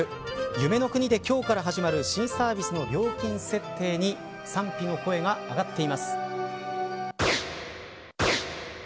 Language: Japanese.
夢の国で今日から始まる新サービスの料金設定に賛否の声が上がっています。